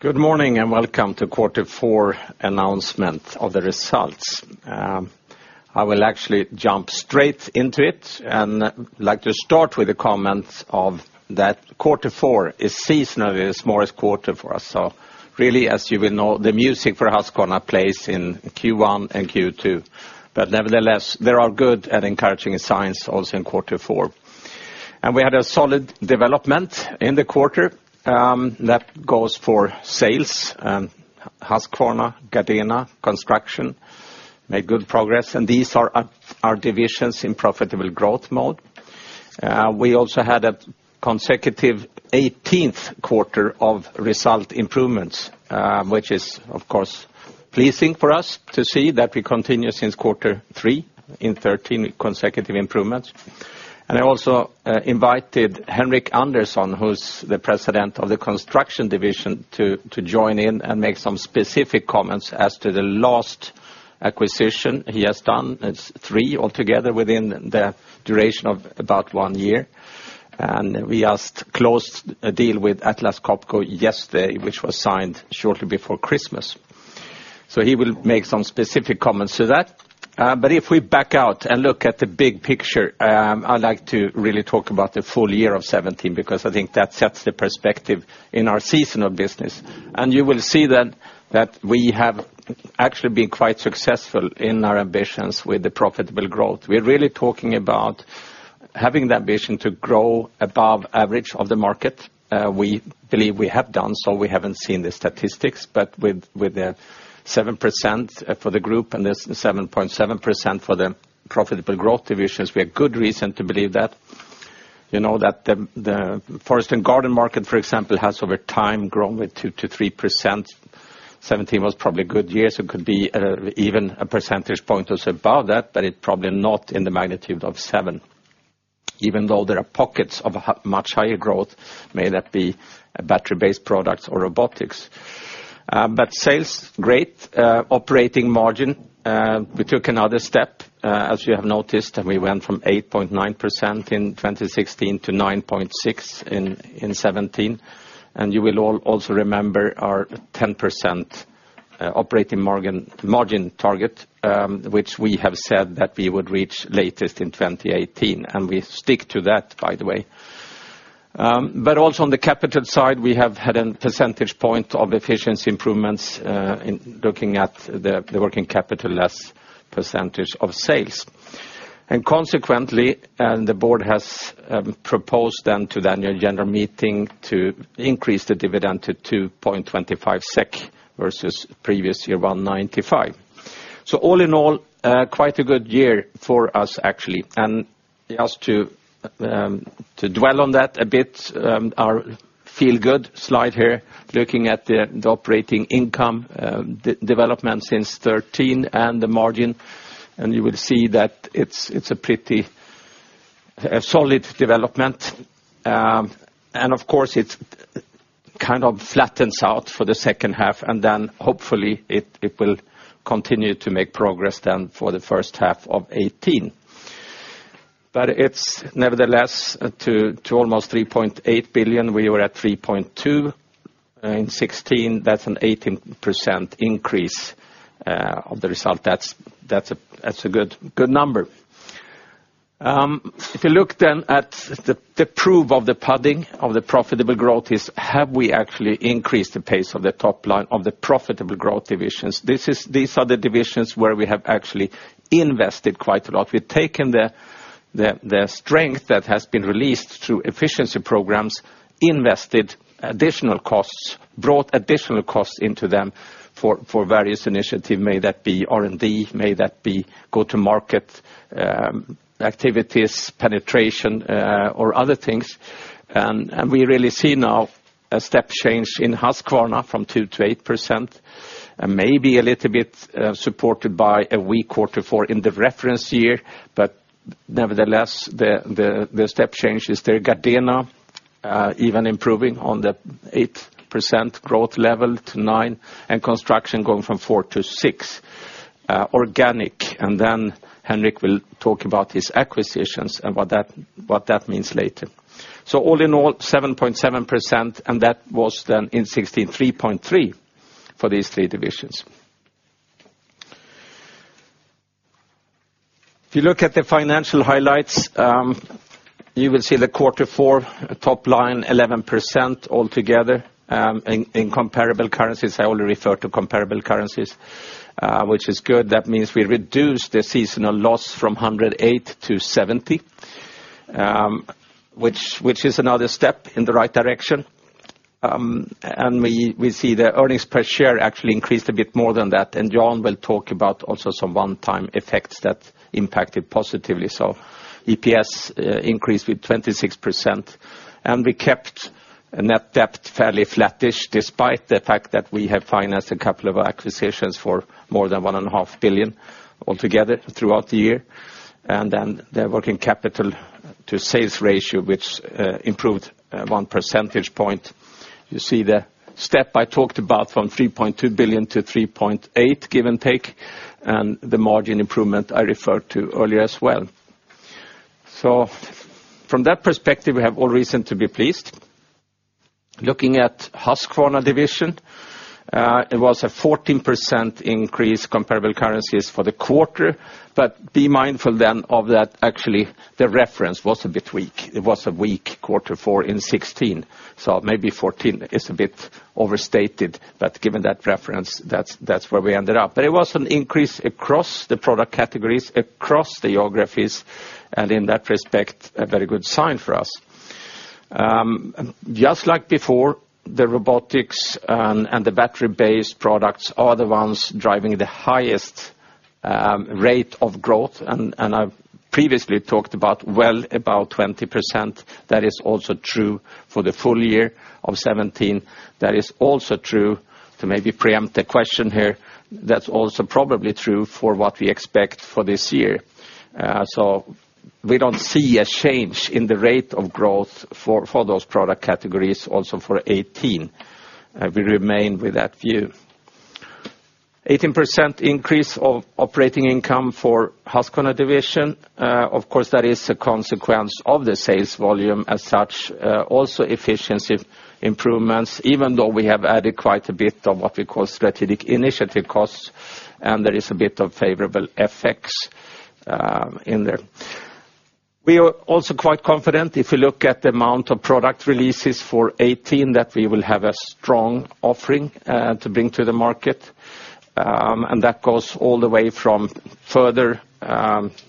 Good morning. Welcome to quarter four announcement of the results. I will actually jump straight into it and like to start with the comments of that quarter four is seasonally the smallest quarter for us. Really, as you will know, the music for Husqvarna plays in Q1 and Q2. Nevertheless, there are good and encouraging signs also in quarter four. We had a solid development in the quarter, that goes for sales and Husqvarna, Gardena, Construction made good progress. These are our divisions in profitable growth mode. We also had a consecutive 18th quarter of result improvements, which is, of course, pleasing for us to see that we continue since Q3 in 13 consecutive improvements. I also invited Henric Andersson, who is the President of the Construction Division, to join in and make some specific comments as to the last acquisition he has done. It is three altogether within the duration of about one year. We just closed a deal with Atlas Copco yesterday, which was signed shortly before Christmas. He will make some specific comments to that. If we back out and look at the big picture, I'd like to really talk about the full year of 2017, because I think that sets the perspective in our seasonal business. You will see that we have actually been quite successful in our ambitions with the profitable growth. We are really talking about having the ambition to grow above average of the market. We believe we have done so. We haven't seen the statistics, but with the 7% for the group and the 7.7% for the profitable growth divisions, we have good reason to believe that. You know that the forest and garden market, for example, has over time grown with 2%-3%. 2017 was probably a good year, so it could be even a percentage point or so above that, but it is probably not in the magnitude of seven. Even though there are pockets of much higher growth, may that be battery-based products or robotics. Sales, great operating margin. We took another step, as you have noticed, and we went from 8.9% in 2016 to 9.6% in 2017. You will all also remember our 10% operating margin target, which we have said that we would reach latest in 2018. We stick to that, by the way. Also on the capital side, we have had a percentage point of efficiency improvements, looking at the working capital as percentage of sales. Consequently, the board has proposed then to the annual general meeting to increase the dividend to 2.25 SEK versus previous year, 1.95. All in all, quite a good year for us, actually. Just to dwell on that a bit, our feel-good slide here, looking at the operating income development since 2013 and the margin, you will see that it is a pretty solid development. Of course, it kind of flattens out for the second half, then hopefully it will continue to make progress for the first half of 2018. It is nevertheless to almost 3.8 billion. We were at 3.2 billion in 2016. That is an 18% increase of the result. That is a good number. If you look then at the proof of the pudding of the profitable growth is have we actually increased the pace of the top line of the profitable growth divisions? These are the divisions where we have actually invested quite a lot. We've taken the strength that has been released through efficiency programs, invested additional costs, brought additional costs into them for various initiatives, may that be R&D, may that be go-to-market activities, penetration, or other things. We really see now a step change in Husqvarna from 2% to 8%, maybe a little bit supported by a weak quarter four in the reference year. Nevertheless, the step change is there. Gardena even improving on the 8% growth level to 9, Construction going from 4 to 6 organic. Henric will talk about his acquisitions and what that means later. All in all, 7.7%, that was then in 2016, 3.3% for these three divisions. If you look at the financial highlights, you will see the quarter four top line, 11% altogether in comparable currencies. I only refer to comparable currencies, which is good. That means we reduced the seasonal loss from 108 to 70, which is another step in the right direction. We see the earnings per share actually increased a bit more than that. Jan will talk about also some one-time effects that impacted positively. EPS increased with 26%, and we kept a net debt fairly flattish, despite the fact that we have financed a couple of acquisitions for more than 1.5 billion altogether throughout the year. The working capital to sales ratio, which improved 1 percentage point. You see the step I talked about from 3.2 billion to 3.8 billion, give and take, and the margin improvement I referred to earlier as well. From that perspective, we have all reason to be pleased. Looking at Husqvarna Division, it was a 14% increase comparable currencies for the quarter, be mindful then of that actually the reference was a bit weak. It was a weak quarter four in 2016, so maybe 14 is a bit overstated, given that reference, that's where we ended up. It was an increase across the product categories, across the geographies, and in that respect, a very good sign for us. Just like before, the robotics and the battery-based products are the ones driving the highest rate of growth. I've previously talked about well above 20%. That is also true for the full year of 2017. That is also true, to maybe preempt a question here, that's also probably true for what we expect for this year. We don't see a change in the rate of growth for those product categories also for 2018. We remain with that view. 18% increase of operating income for Husqvarna Division. Of course, that is a consequence of the sales volume as such, also efficiency improvements, even though we have added quite a bit of what we call strategic initiative costs, and there is a bit of favorable effects in there. We are also quite confident, if you look at the amount of product releases for 2018, that we will have a strong offering to bring to the market. That goes all the way from further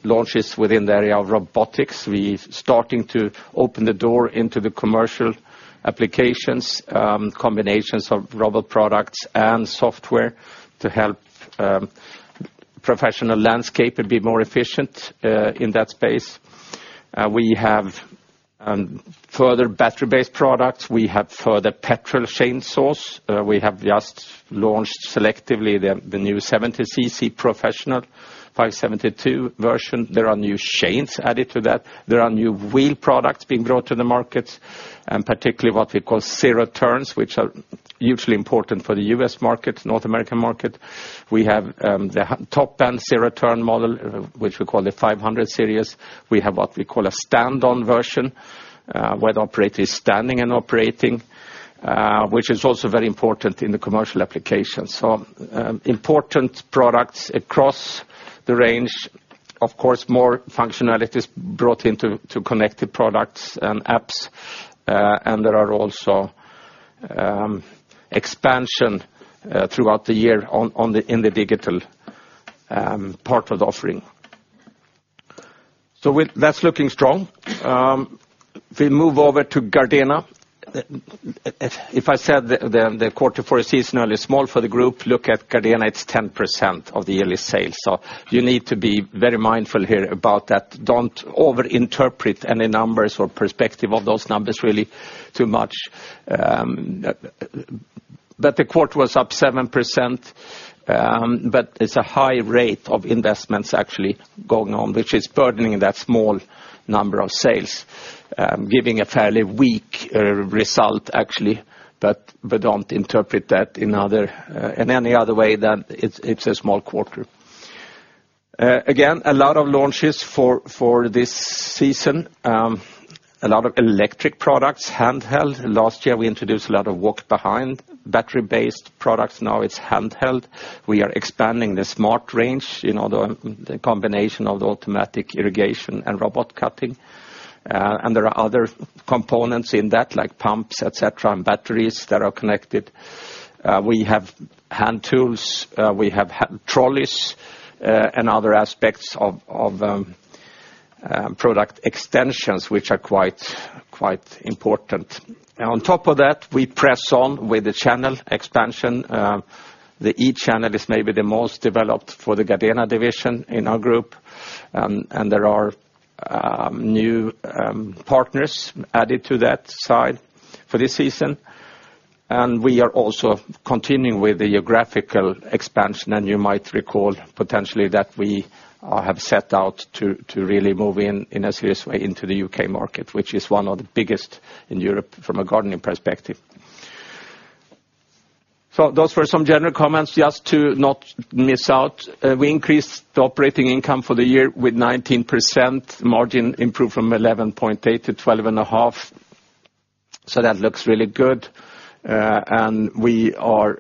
launches within the area of robotics. We're starting to open the door into the commercial applications, combinations of robot products and software to help professional landscape and be more efficient, in that space. We have further battery-based products. We have further petrol chainsaws. We have just launched selectively the new 70cc professional 572 version. There are new chains added to that. There are new wheel products being brought to the market, and particularly what we call zero turns, which are hugely important for the U.S. market, North American market. We have the top band zero-turn model, which we call the Z500 series. We have what we call a stand-on version, where the operator is standing and operating, which is also very important in the commercial application. Important products across the range, of course, more functionalities brought into connected products and apps. There are also expansion throughout the year in the digital part of the offering. That's looking strong. If we move over to Gardena. If I said the quarter for a seasonally small for the group, look at Gardena, it's 10% of the yearly sales. You need to be very mindful here about that. Don't over-interpret any numbers or perspective of those numbers really too much. The quarter was up 7%, but it's a high rate of investments actually going on, which is burdening that small number of sales, giving a fairly weak result, actually. We don't interpret that in any other way than it's a small quarter. Again, a lot of launches for this season. A lot of electric products, handheld. Last year, we introduced a lot of walk-behind battery-based products. Now it's handheld. We are expanding the smart range in the combination of the automatic irrigation and robot cutting. There are other components in that, like pumps, et cetera, and batteries that are connected. We have hand tools, we have trolleys, and other aspects of product extensions, which are quite important. On top of that, we press on with the channel expansion. The e-channel is maybe the most developed for the Gardena Division in our group, and there are new partners added to that side for this season. We are also continuing with the geographical expansion, and you might recall potentially that we have set out to really move in a serious way into the U.K. market, which is one of the biggest in Europe from a gardening perspective. Those were some general comments just to not miss out. We increased the operating income for the year with 19%. Margin improved from 11.8% to 12.5%. That looks really good. We are,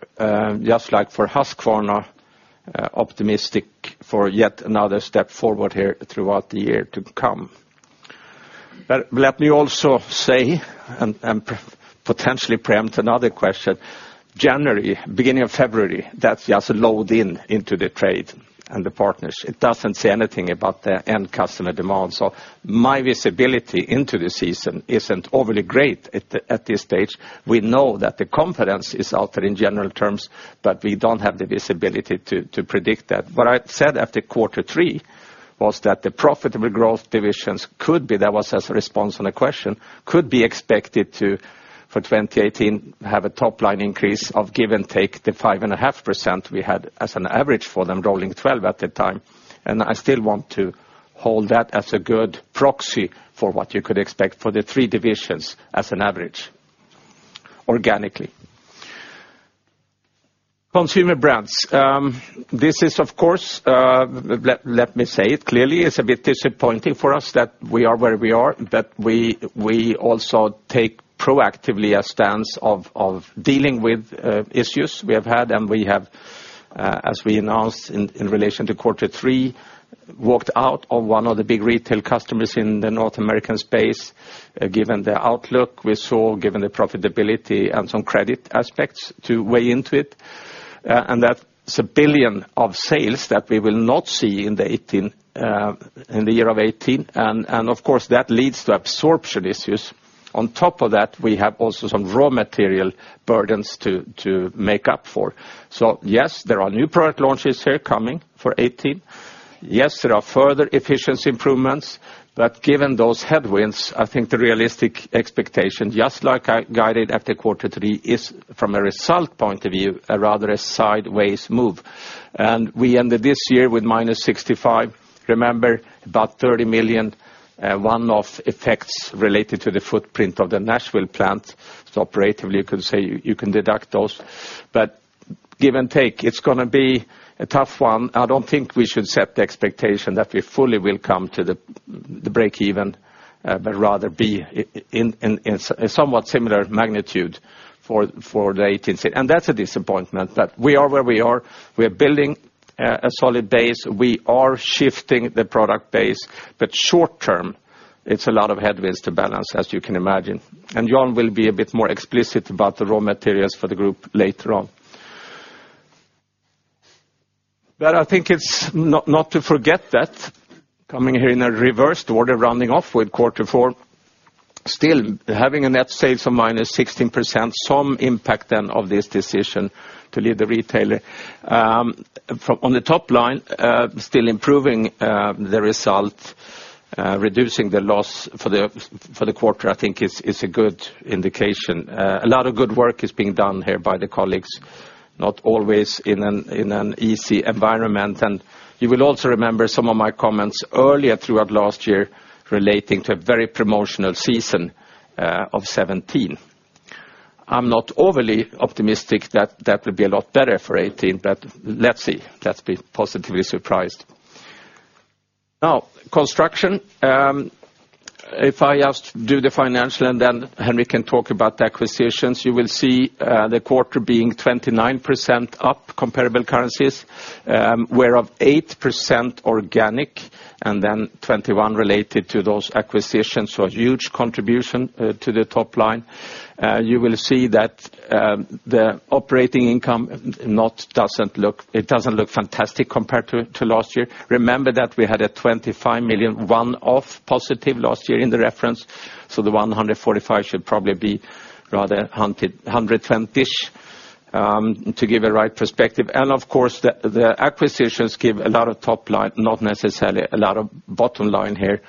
just like for Husqvarna, optimistic for yet another step forward here throughout the year to come. Let me also say, and potentially preempt another question, January, beginning of February, that's just load in into the trade and the partners. It doesn't say anything about the end customer demand. My visibility into the season isn't overly great at this stage. We know that the confidence is out there in general terms, but we don't have the visibility to predict that. What I said after quarter three was that the profitable growth divisions could be, that was as a response on a question, could be expected to, for 2018, have a top-line increase of give and take the 5.5% we had as an average for them rolling 12 at the time. I still want to hold that as a good proxy for what you could expect for the three divisions as an average organically. Consumer Brands. Let me say it clearly, it is a bit disappointing for us that we are where we are. We also take proactively a stance of dealing with issues we have had. We have, as we announced in relation to quarter three, walked out on one of the big retail customers in the North American space, given the outlook we saw, given the profitability and some credit aspects to weigh into it. That is 1 billion of sales that we will not see in the year of 2018. Of course, that leads to absorption issues. On top of that, we have also some raw material burdens to make up for. Yes, there are new product launches here coming for 2018. Yes, there are further efficiency improvements. Given those headwinds, I think the realistic expectation, just like I guided after quarter three, is from a result point of view, a rather a sideways move. We ended this year with -65 million. Remember, about 30 million, one-off effects related to the footprint of the Nashville plant. Operatively, you can deduct those. Give and take, it is going to be a tough one. I do not think we should set the expectation that we fully will come to the breakeven, but rather be in a somewhat similar magnitude for the 2018. That is a disappointment that we are where we are. We are building a solid base. We are shifting the product base. Short-term, it is a lot of headwinds to balance, as you can imagine. Jan will be a bit more explicit about the raw materials for the group later on. I think it is not to forget that, coming here in a reverse order, rounding off with quarter four, still having a net sales of -16%, some impact then of this decision to leave the retailer. On the top line, still improving the result, reducing the loss for the quarter, I think is a good indication. A lot of good work is being done here by the colleagues, not always in an easy environment. You will also remember some of my comments earlier throughout last year relating to a very promotional season of 2017. I am not overly optimistic that that will be a lot better for 2018, but let us see. Let us be positively surprised. Now, Construction. If I just do the financial, then Henric can talk about the acquisitions. You will see the quarter being 29% up comparable currencies, whereof 8% organic, then 21% related to those acquisitions. A huge contribution to the top line. You will see that the operating income, it does not look fantastic compared to last year. Remember that we had a 25 million one-off positive last year in the reference, so the 145 million should probably be rather 120 million-ish, to give a right perspective. Of course, the acquisitions give a lot of top line, not necessarily a lot of bottom line here.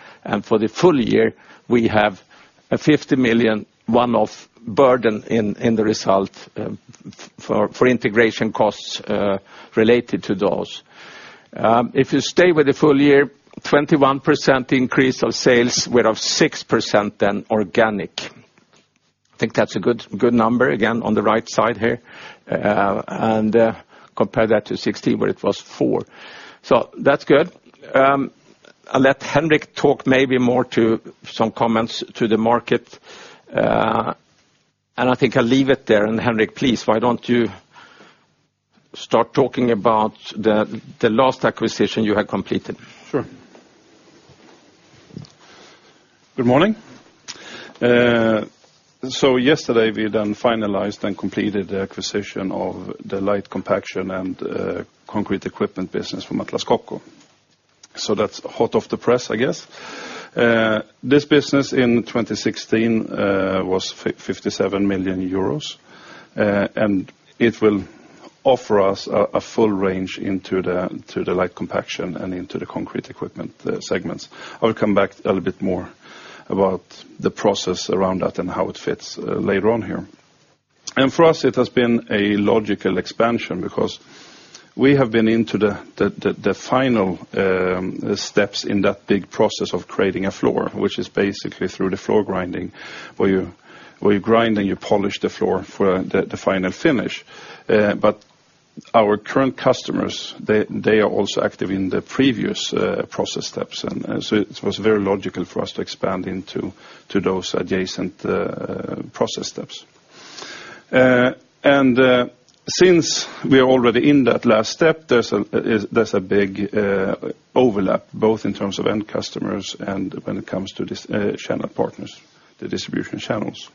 For the full year, we have a 50 million one-off burden in the result for integration costs related to those. If you stay with the full year, 21% increase of sales, whereof 6% then organic. I think that's a good number, again, on the right side here. Compare that to 2016, where it was four. That's good. I'll let Henric talk maybe more to some comments to the market. I think I'll leave it there. Henric, please, why don't you start talking about the last acquisition you have completed? Sure. Good morning. Yesterday, we then finalized and completed the acquisition of the light compaction and concrete equipment business from Atlas Copco. That's hot off the press, I guess. This business in 2016 was 57 million euros, It will offer us a full range into the light compaction and into the concrete equipment segments. I'll come back a little bit more about the process around that and how it fits later on here. For us, it has been a logical expansion because we have been into the final steps in that big process of creating a floor, which is basically through the floor grinding, where you grind and you polish the floor for the final finish. Our current customers, they are also active in the previous process steps, it was very logical for us to expand into those adjacent process steps. Since we are already in that last step, there's a big overlap, both in terms of end customers and when it comes to the channel partners, the distribution channels.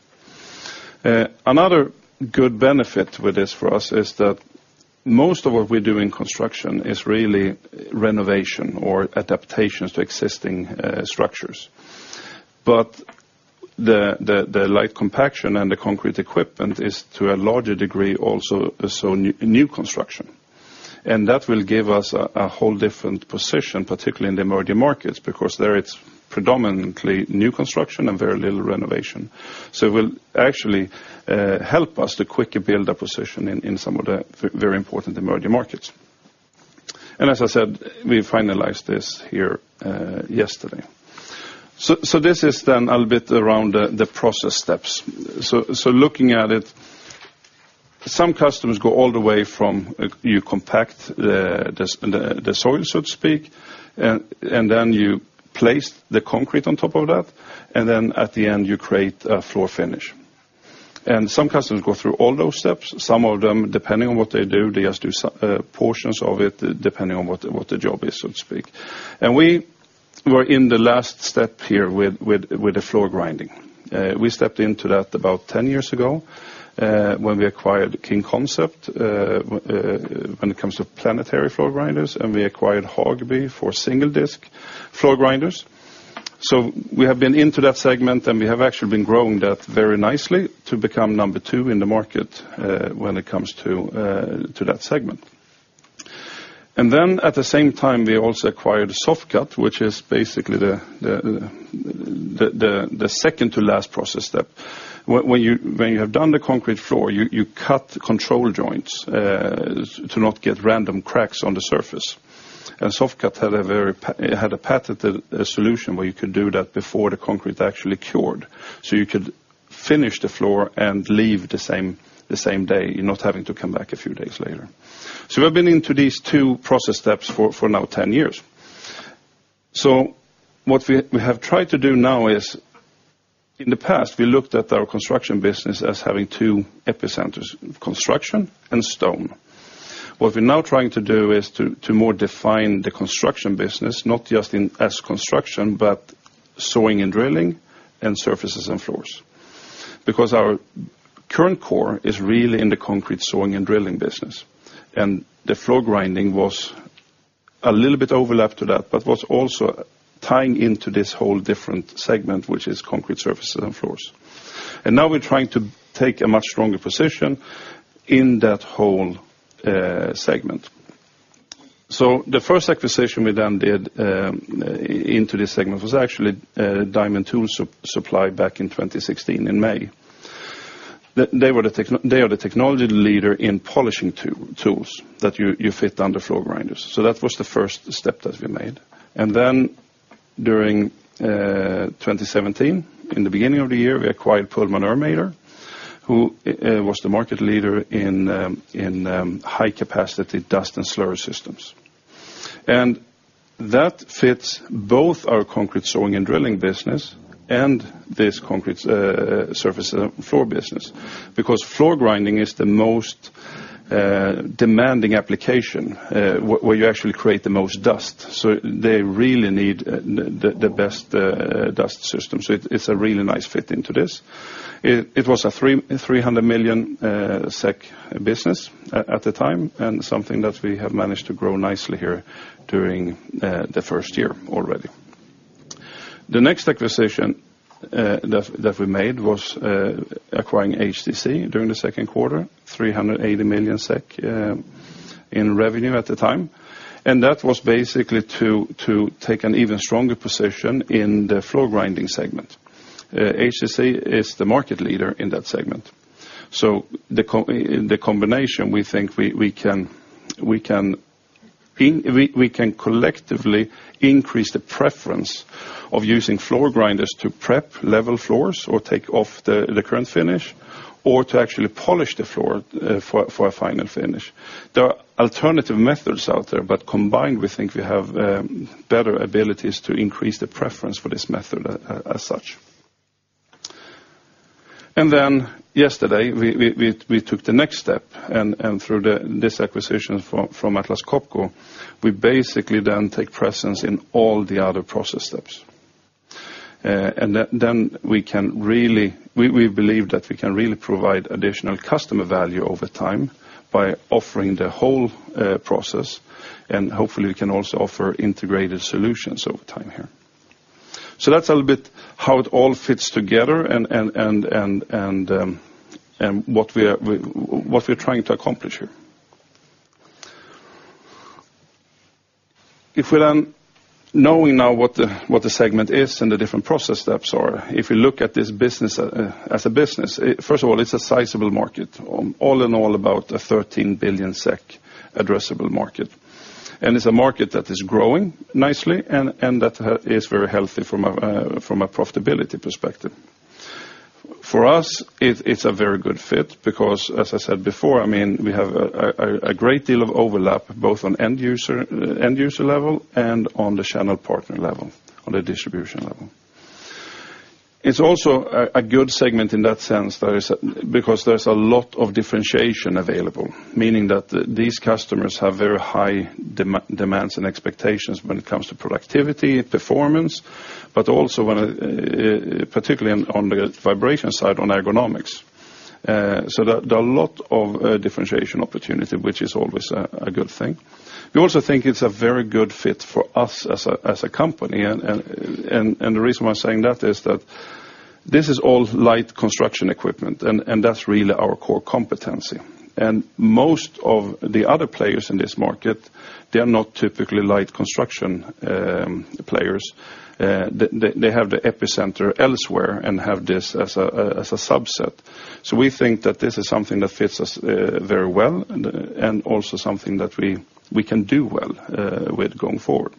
Another good benefit with this for us is that most of what we do in Construction is really renovation or adaptations to existing structures. The light compaction and the concrete equipment is to a larger degree also new construction. That will give us a whole different position, particularly in the emerging markets, because there it's predominantly new construction and very little renovation. It will actually help us to quickly build a position in some of the very important emerging markets. As I said, we finalized this here yesterday. This is then a little bit around the process steps. Looking at it, some customers go all the way from you compact the soil, so to speak, then you place the concrete on top of that, then at the end you create a floor finish. Some customers go through all those steps, some of them, depending on what they do, they just do portions of it, depending on what the job is, so to speak. We were in the last step here with the floor grinding. We stepped into that about 10 years ago, when we acquired King Concepts, when it comes to planetary floor grinders, and we acquired Hagby for single-disc floor grinders. We have been into that segment, and we have actually been growing that very nicely to become number 2 in the market when it comes to that segment. At the same time, we also acquired Soff-Cut, which is basically the second to last process step. When you have done the concrete floor, you cut control joints, to not get random cracks on the surface. Soff-Cut had a patented solution where you could do that before the concrete actually cured. You could finish the floor and leave the same day, you're not having to come back a few days later. We've been into these two process steps for now 10 years. What we have tried to do now is, in the past, we looked at our Construction business as having two epicenters, Construction and stone. What we're now trying to do is to more define the Construction business, not just as Construction, but sawing and drilling, and surfaces and floors. Our current core is really in the concrete sawing and drilling business, and the floor grinding was a little bit overlap to that, but was also tying into this whole different segment, which is concrete surfaces and floors. We're trying to take a much stronger position in that whole segment. The first acquisition we then did into this segment was actually Diamond Tool Supply back in 2016, in May. They are the technology leader in polishing tools that you fit on the floor grinders. That was the first step that we made. During 2017, in the beginning of the year, we acquired Pullman Ermator, who was the market leader in high-capacity dust and slurry systems. That fits both our concrete sawing and drilling business, and this concrete surface floor business. Floor grinding is the most demanding application, where you actually create the most dust. They really need the best dust system. It's a really nice fit into this. It was a 300 million SEK business at the time, and something that we have managed to grow nicely here during the first year already. The next acquisition that we made was acquiring HTC during the second quarter, 380 million SEK in revenue at the time. That was basically to take an even stronger position in the floor grinding segment. HTC is the market leader in that segment. The combination we think we can collectively increase the preference of using floor grinders to prep level floors or take off the current finish, or to actually polish the floor for a final finish. There are alternative methods out there, combined, we think we have better abilities to increase the preference for this method as such. Yesterday, we took the next step, and through this acquisition from Atlas Copco, we basically then take presence in all the other process steps. We believe that we can really provide additional customer value over time by offering the whole process, and hopefully we can also offer integrated solutions over time here. That's a little bit how it all fits together and what we're trying to accomplish here. If we then knowing now what the segment is and the different process steps are, if we look at this business as a business, first of all, it's a sizable market, all in all about a 13 billion SEK addressable market. It's a market that is growing nicely and that is very healthy from a profitability perspective. For us, it's a very good fit because as I said before, we have a great deal of overlap, both on end user level and on the channel partner level, on the distribution level. It's also a good segment in that sense, because there's a lot of differentiation available, meaning that these customers have very high demands and expectations when it comes to productivity, performance, but also particularly on the vibration side, on ergonomics. There are a lot of differentiation opportunity, which is always a good thing. We also think it's a very good fit for us as a company, and the reason why I'm saying that is that this is all light Construction equipment, and that's really our core competency. Most of the other players in this market, they are not typically light Construction players. They have the epicenter elsewhere and have this as a subset. We think that this is something that fits us very well and also something that we can do well with going forward.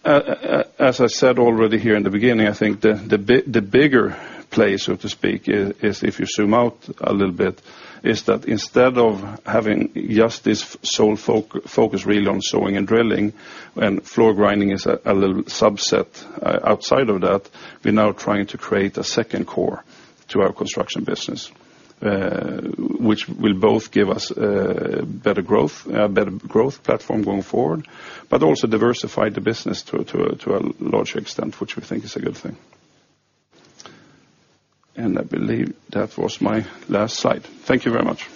As I said already here in the beginning, I think the bigger place, so to speak, is if you zoom out a little bit, is that instead of having just this sole focus really on sawing and drilling, and floor grinding is a little subset outside of that, we're now trying to create a second core to our Construction business. Which will both give us a better growth platform going forward, but also diversify the business to a larger extent, which we think is a good thing. I believe that was my last slide. Thank you very much.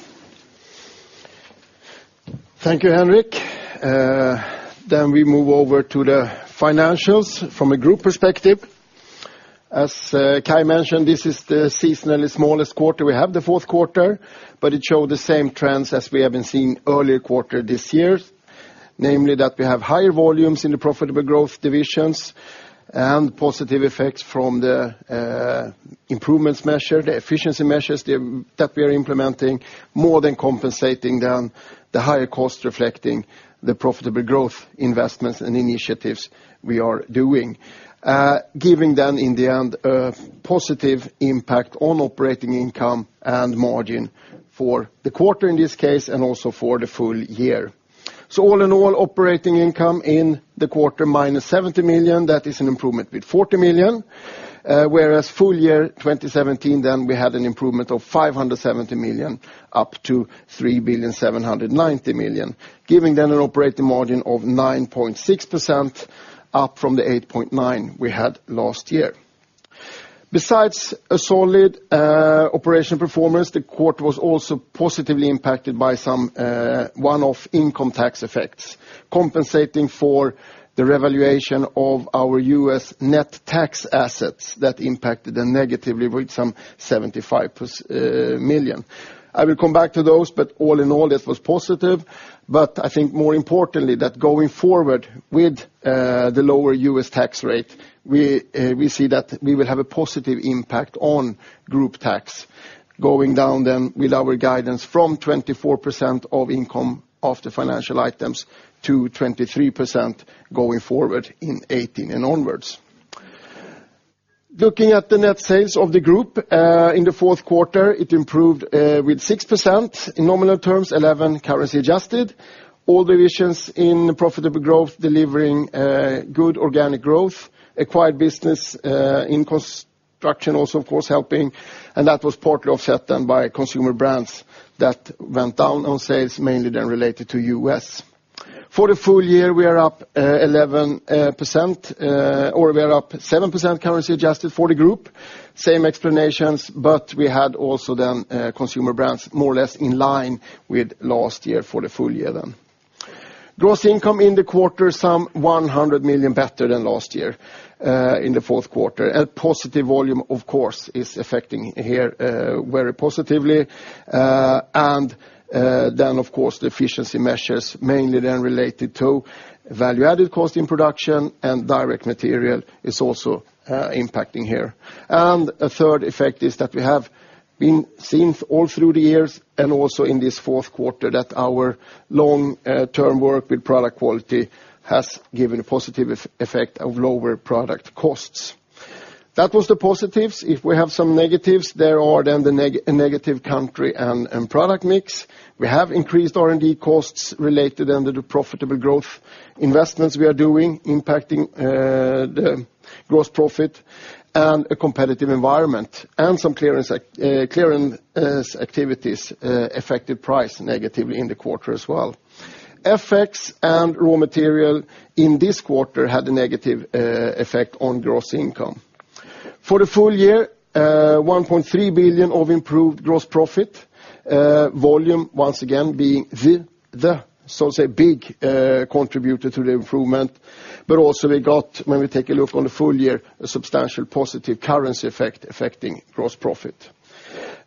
Thank you, Henric. We move over to the financials from a group perspective. As Kai mentioned, this is the seasonally smallest quarter we have, the fourth quarter, but it showed the same trends as we have been seeing earlier quarter this year. Namely that we have higher volumes in the profitable growth divisions and positive effects from the improvements measure, the efficiency measures that we are implementing, more than compensating then the higher cost reflecting the profitable growth investments and initiatives we are doing, giving them, in the end, a positive impact on operating income and margin for the quarter, in this case, and also for the full year. All in all, operating income in the quarter, -70 million. That is an improvement with 40 million. Whereas full year 2017, then, we had an improvement of 570 million up to 3,790 million, giving them an operating margin of 9.6%, up from the 8.9% we had last year. Besides a solid operation performance, the quarter was also positively impacted by some one-off income tax effects, compensating for the revaluation of our U.S. net tax assets that impacted them negatively with some 75 million. I will come back to those, but all in all, that was positive. I think more importantly, that going forward with the lower U.S. tax rate, we see that we will have a positive impact on group tax, going down then with our guidance from 24% of income after financial items to 23% going forward in 2018 and onwards. Looking at the net sales of the group, in the fourth quarter it improved with 6% in nominal terms, 11% currency adjusted. All divisions in profitable growth delivering good organic growth. Acquired business in Construction also, of course, helping, that was partly offset by Consumer Brands that went down on sales, mainly related to U.S. For the full year, we are up 11%, or we are up 7% currency adjusted for the group. Same explanations, but we had also Consumer Brands more or less in line with last year for the full year. Gross income in the quarter, some 100 million better than last year, in the fourth quarter. A positive volume, of course, is affecting here very positively. Of course, the efficiency measures mainly related to value-added cost in production and direct material is also impacting here. A third effect is that we have been seen all through the years, also in this fourth quarter, that our long-term work with product quality has given a positive effect of lower product costs. That was the positives. If we have some negatives, there are the negative country and product mix. We have increased R&D costs related to the profitable growth investments we are doing, impacting the gross profit, a competitive environment, and some clearance activities affected price negatively in the quarter as well. FX and raw material in this quarter had a negative effect on gross income. For the full year, 1.3 billion of improved gross profit. Volume, once again, being the, so to say, big contributor to the improvement. Also we got, when we take a look on the full year, a substantial positive currency effect affecting gross profit.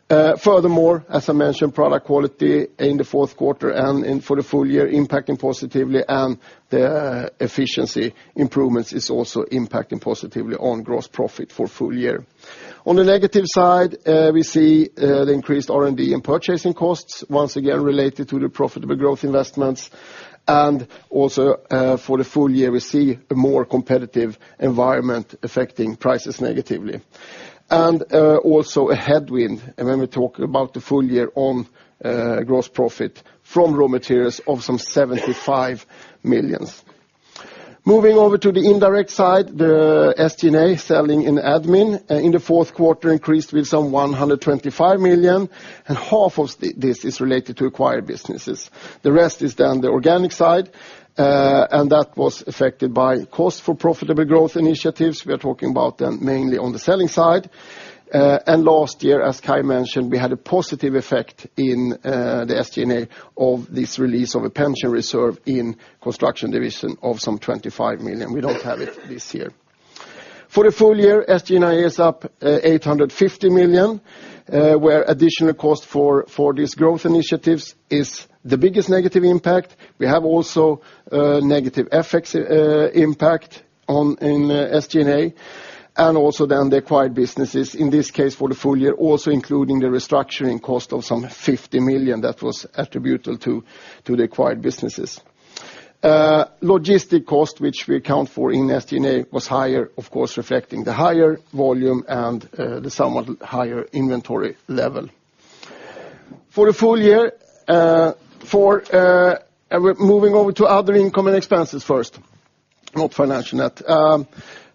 Furthermore, as I mentioned, product quality in the fourth quarter and for the full year impacting positively, the efficiency improvements is also impacting positively on gross profit for full year. On the negative side, we see the increased R&D and purchasing costs, once again related to the profitable growth investments. Also for the full year, we see a more competitive environment affecting prices negatively. Also a headwind. When we talk about the full year on gross profit from raw materials of some 75 million. Moving over to the indirect side, the SG&A, selling and admin, in the fourth quarter increased with some 125 million, and half of this is related to acquired businesses. The rest is the organic side, and that was affected by cost for profitable growth initiatives. We are talking about them mainly on the selling side. Last year, as Kai mentioned, we had a positive effect in the SG&A of this release of a pension reserve in Construction Division of some 25 million. We don't have it this year. For the full year, SG&A is up 850 million, where additional cost for these growth initiatives is the biggest negative impact. We have also a negative FX impact in SG&A. The acquired businesses, in this case for the full year, also including the restructuring cost of some 50 million that was attributable to the acquired businesses. Logistic cost, which we account for in SG&A, was higher, of course, reflecting the higher volume and the somewhat higher inventory level. For the full year, moving over to other income and expenses first, not financial net.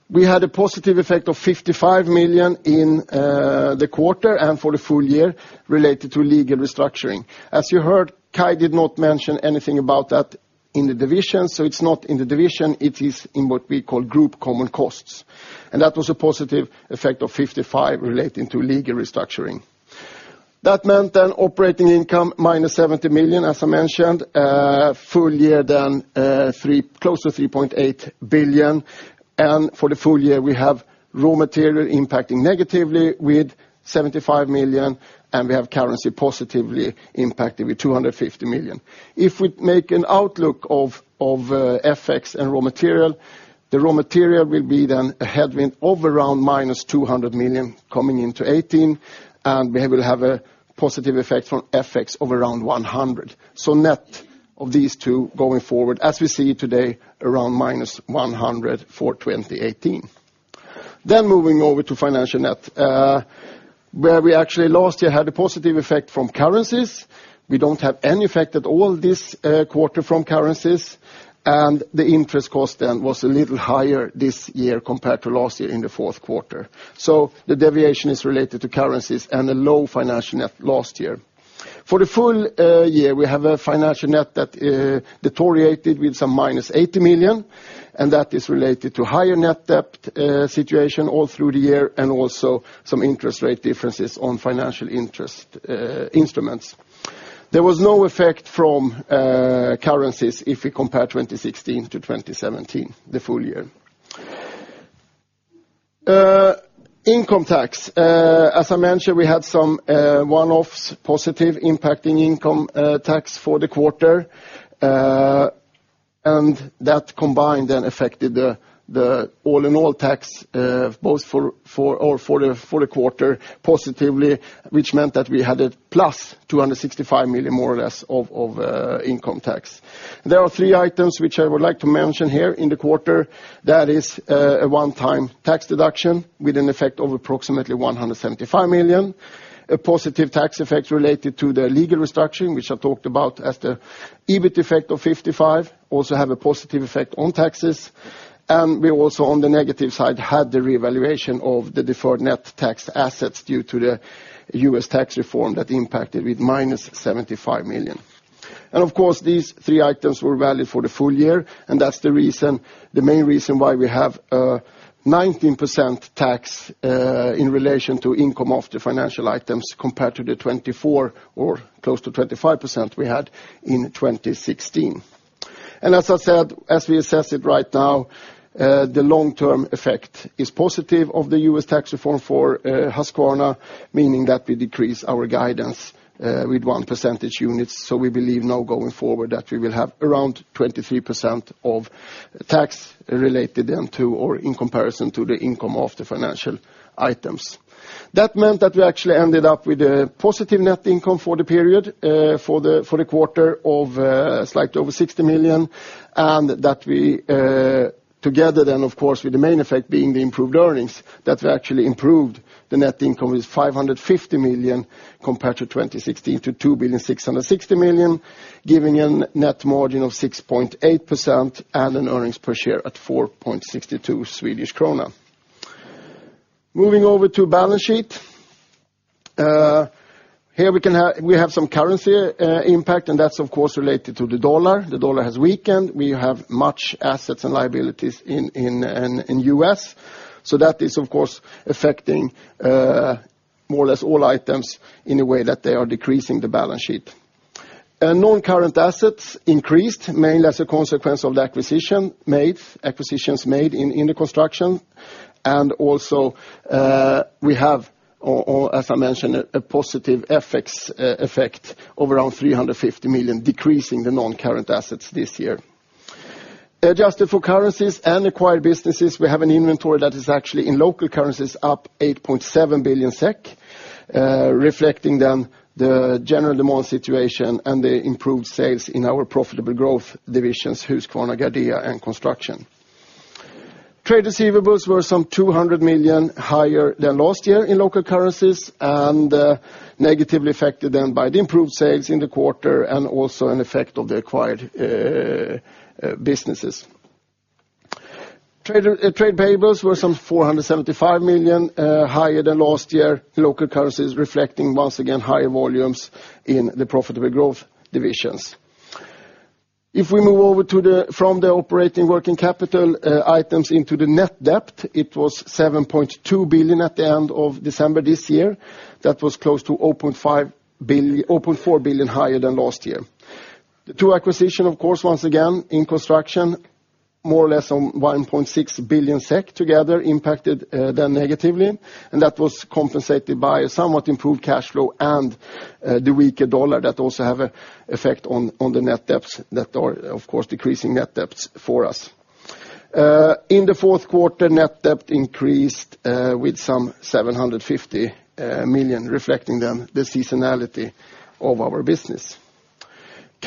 We had a positive effect of 55 million in the quarter and for the full year related to legal restructuring. As you heard, Kai did not mention anything about that in the division, so it is not in the division. It is in what we call group common costs, and that was a positive effect of 55 relating to legal restructuring. That meant an operating income minus 70 million, as I mentioned, full year close to 3.8 billion. For the full year, we have raw material impacting negatively with 75 million, and we have currency positively impacting with 250 million. If we make an outlook of FX and raw material, the raw material will be a headwind of around minus 200 million coming into 2018, and we will have a positive effect from FX of around 100. Net of these two going forward, as we see today, around minus 100 for 2018. Moving over to financial net, where we actually last year had a positive effect from currencies. We don't have any effect at all this quarter from currencies, and the interest cost then was a little higher this year compared to last year in the fourth quarter. The deviation is related to currencies and a low financial net last year. For the full year, we have a financial net that deteriorated with some minus 80 million, and that is related to higher net debt situation all through the year and also some interest rate differences on financial instruments. There was no effect from currencies if we compare 2016 to 2017, the full year. Income tax. As I mentioned, we had some one-offs positive impacting income tax for the quarter, and that combined then affected the all-in-all tax both for the quarter positively, which meant that we had a plus 265 million more or less of income tax. There are three items which I would like to mention here in the quarter. That is a one-time tax deduction with an effect of approximately 175 million, a positive tax effect related to the legal restructuring, which I talked about as the EBIT effect of 55 also have a positive effect on taxes. We also, on the negative side, had the reevaluation of the deferred net tax assets due to the U.S. tax reform that impacted with minus 75 million. Of course, these three items were valid for the full year, and that's the main reason why we have a 19% tax in relation to income of the financial items compared to the 24% or close to 25% we had in 2016. As I said, as we assess it right now, the long-term effect is positive of the U.S. tax reform for Husqvarna, meaning that we decrease our guidance with one percentage unit. We believe now going forward that we will have around 23% of tax related then to or in comparison to the income of the financial items. That meant that we actually ended up with a positive net income for the period, for the quarter of slightly over 60 million, and that we together then, of course, with the main effect being the improved earnings, that we actually improved the net income with 550 million compared to 2016 to 2,660 million, giving a net margin of 6.8% and an earnings per share at 4.62 Swedish krona. Moving over to balance sheet. Here we have some currency impact, and that's, of course, related to the U.S. dollar. The U.S. dollar has weakened. We have many assets and liabilities in the U.S., so that is, of course, affecting more or less all items in a way that they are decreasing the balance sheet. Non-current assets increased mainly as a consequence of the acquisitions made in the Construction. And also we have, as I mentioned, a positive FX effect of around 350 million, decreasing the non-current assets this year. Adjusted for currencies and acquired businesses, we have an inventory that is actually in local currencies up 8.7 billion SEK, reflecting then the general demand situation and the improved sales in our profitable growth divisions, Husqvarna, Gardena, and Construction. Trade receivables were some 200 million higher than last year in local currencies and negatively affected then by the improved sales in the quarter and also an effect of the acquired businesses. Trade payables were some 475 million higher than last year in local currencies, reflecting once again higher volumes in the profitable growth divisions. If we move over from the operating working capital items into the net debt, it was 7.2 billion at the end of December this year. That was close to 0.4 billion higher than last year. The two acquisitions, of course, once again, in Construction, more or less 1.6 billion SEK together impacted then negatively, and that was compensated by a somewhat improved cash flow and the weaker U.S. dollar that also have an effect on the net debts that are, of course, decreasing net debts for us. In the fourth quarter, net debt increased with some 750 million, reflecting then the seasonality of our business.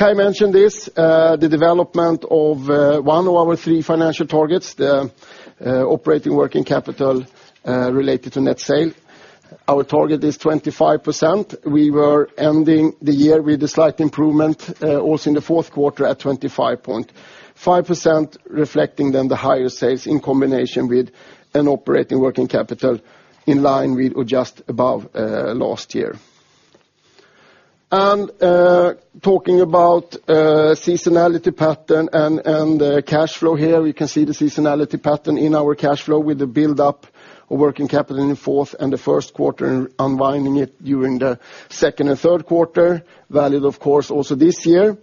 Kai mentioned this, the development of one of our three financial targets, the operating working capital related to net sales. Our target is 25%. We were ending the year with a slight improvement also in the fourth quarter at 25.5%, reflecting then the higher sales in combination with an operating working capital in line with or just above last year. Talking about seasonality pattern and cash flow here, you can see the seasonality pattern in our cash flow with the buildup of working capital in the fourth and the first quarter, and unwinding it during the second and third quarter. Valid, of course, also this year.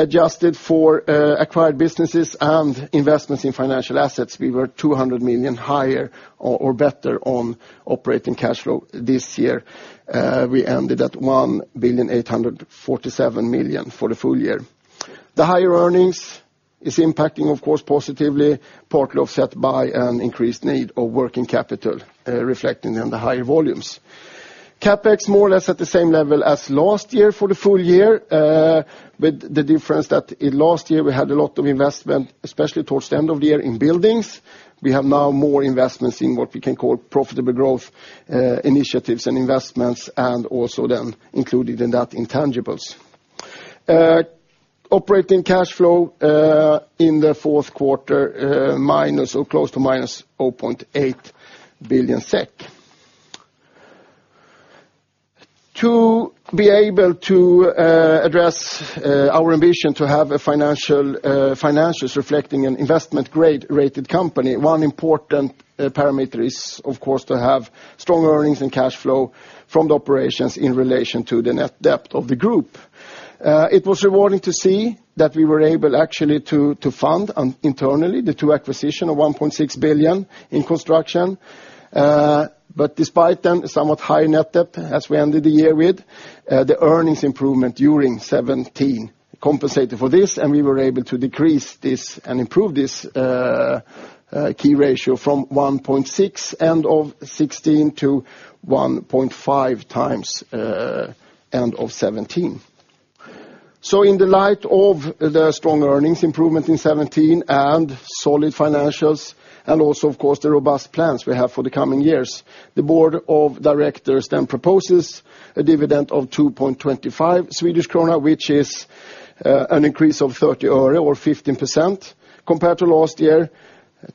Adjusted for acquired businesses and investments in financial assets, we were 200 million higher or better on operating cash flow this year. We ended at 1,847,000,000 for the full year. The higher earnings is impacting, of course, positively, partly offset by an increased need of working capital, reflecting on the higher volumes. CapEx more or less at the same level as last year for the full year, with the difference that last year we had a lot of investment, especially towards the end of the year, in buildings. We have now more investments in what we can call profitable growth initiatives and investments, and also then included in that, intangibles. Operating cash flow in the fourth quarter, minus or close to minus 0.8 billion SEK. To be able to address our ambition to have financials reflecting an investment-grade rated company, one important parameter is, of course, to have strong earnings and cash flow from the operations in relation to the net debt of the group. It was rewarding to see that we were able, actually, to fund internally the two acquisitions of 1.6 billion in Construction. Despite then a somewhat high net debt as we ended the year with, the earnings improvement during 2017 compensated for this, and we were able to decrease this and improve this key ratio from 1.6 end of 2016 to 1.5 times end of 2017. In the light of the strong earnings improvement in 2017 and solid financials, and also, of course, the robust plans we have for the coming years, the board of directors then proposes a dividend of 2.25 Swedish krona, which is an increase of SEK 0.30 or 15% compared to last year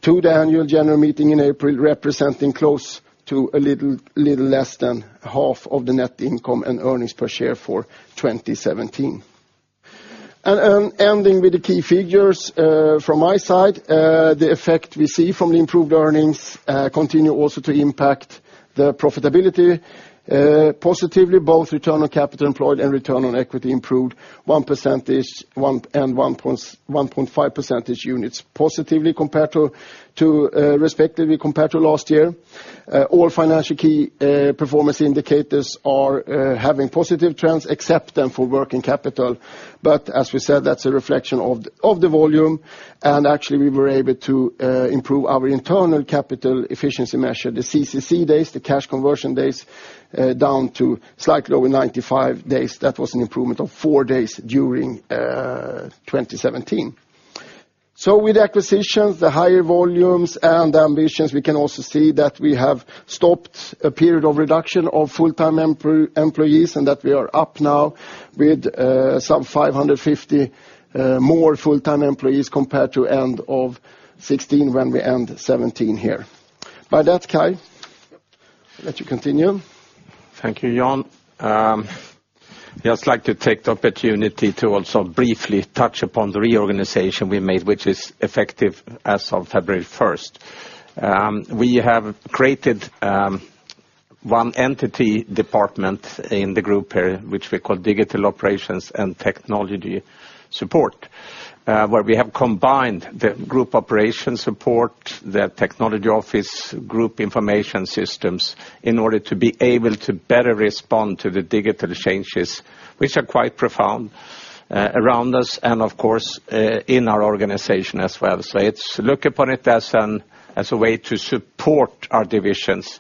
to the annual general meeting in April, representing close to a little less than half of the net income and earnings per share for 2017. Ending with the key figures from my side, the effect we see from the improved earnings continue also to impact the profitability positively. Both return on capital employed and return on equity improved 1% and 1.5 percentage units respectively compared to last year. All financial key performance indicators are having positive trends except then for working capital. As we said, that's a reflection of the volume, and actually we were able to improve our internal capital efficiency measure, the CCC days, the cash conversion days, down to slightly over 95 days. That was an improvement of four days during 2017. With acquisitions, the higher volumes, and ambitions, we can also see that we have stopped a period of reduction of full-time employees, and that we are up now with some 550 more full-time employees compared to end of 2016 when we end 2017 here. By that, Kai, I'll let you continue. Thank you, Jan. Like to take the opportunity to also briefly touch upon the reorganization we made, which is effective as of February 1st. We have created one entity department in the group here, which we call Digital Operations and Technology Support, where we have combined the group operation support, the technology office, group information systems, in order to be able to better respond to the digital changes, which are quite profound around us and, of course, in our organization as well. Let's look upon it as a way to support our divisions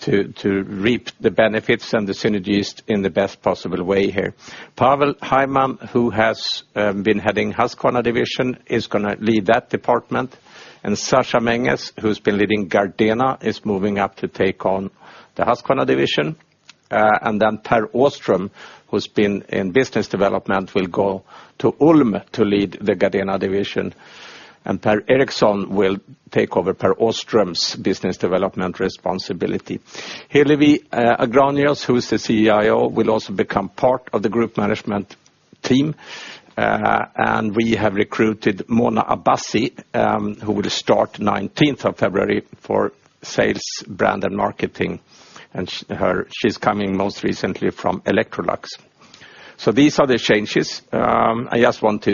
to reap the benefits and the synergies in the best possible way here. Pavel Hajman, who has been heading Husqvarna Division, is going to lead that department, and Sascha Menges, who's been leading Gardena, is moving up to take on the Husqvarna Division. Pär Åström, who's been in business development, will go to Ulm to lead the Gardena Division. Per Ericson will take over Pär Åström's business development responsibility. Hillevi Agranius, who is the CIO, will also become part of the group management team. We have recruited Mona Abbasi, who will start 19th of February for sales, brand, and marketing. She's coming most recently from Electrolux. These are the changes. I just want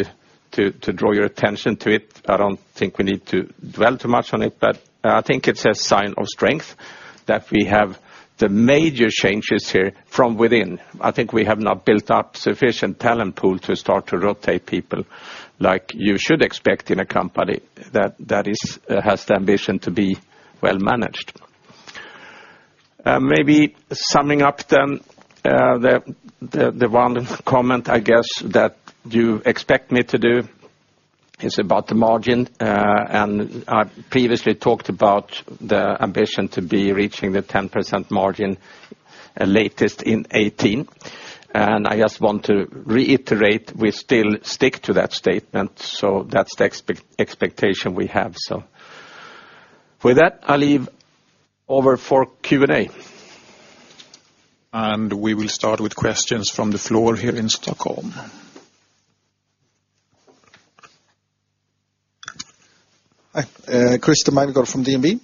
to draw your attention to it. I don't think we need to dwell too much on it, but I think it's a sign of strength that we have the major changes here from within. I think we have now built up sufficient talent pool to start to rotate people like you should expect in a company that has the ambition to be well managed. Maybe summing up then, the one comment, I guess, that you expect me to do is about the margin. I previously talked about the ambition to be reaching the 10% margin latest in 2018. I just want to reiterate, we still stick to that statement, so that's the expectation we have. With that, I'll leave over for Q&A. We will start with questions from the floor here in Stockholm. Hi. Christer Magnergård from DNB,